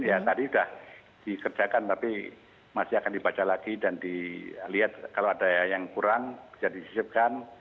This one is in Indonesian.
ya tadi sudah dikerjakan tapi masih akan dibaca lagi dan dilihat kalau ada yang kurang bisa disisipkan